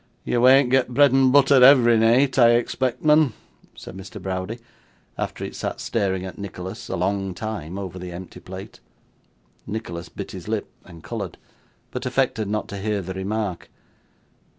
'Ye wean't get bread and butther ev'ry neight, I expect, mun,' said Mr Browdie, after he had sat staring at Nicholas a long time over the empty plate. Nicholas bit his lip, and coloured, but affected not to hear the remark.